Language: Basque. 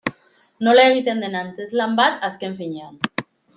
Nola egiten den antzezlan bat, azken finean.